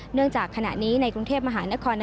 เนื่องจากขณะนี้ในกรุงเทพมหานคร